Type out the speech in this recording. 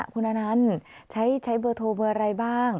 คุณอนันต์ใช้เบอร์โทรเบอร์อะไรบ้าง